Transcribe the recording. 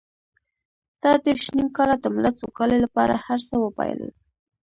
تا دېرش نيم کاله د ملت سوکالۍ لپاره هر څه وبایلل.